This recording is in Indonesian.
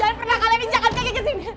jangan pernah kalian injakkan kegiatan sini